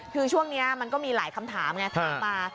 คือช่วงนี้มันก็มีหลายคำถามไงถามมา